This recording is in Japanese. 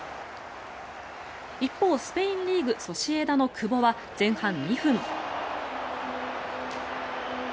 一方、スペインリーグソシエダの久保は前半２分。